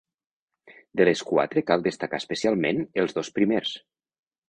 De les quatre cal destacar especialment els dos primers.